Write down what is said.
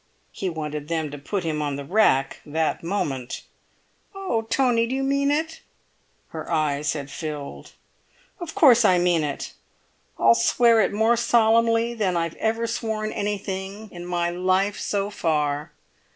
He wanted them to put him on the rack that moment. "Oh, Tony, do you mean it?" Her eyes had filled. "Of course I mean it! I'll swear it more solemnly than I've ever sworn anything in my life so far."